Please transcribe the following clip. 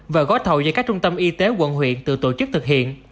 và gói thầu do các trung tâm y tế quận huyện tự tổ chức thực hiện